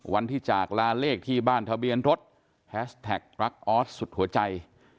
จากลาเลขที่บ้านทะเบียนรถแฮชแท็กรักออสสุดหัวใจ